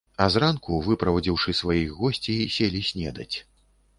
А зранку, выправадзіўшы сваіх госцей, селі снедаць.